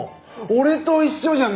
俺と一緒じゃん。